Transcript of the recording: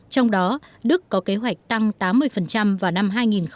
trong đó đức có kế hoạch tăng tám mươi vào năm hai nghìn hai mươi